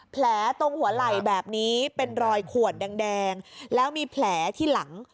แผลตรงหัวไหล่แบบนี้เป็นรอยขวดแดงแล้วมีแผลที่หลัง